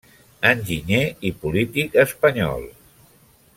Enginyer i polític espanyol.